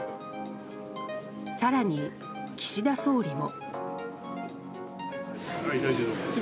更に、岸田総理も。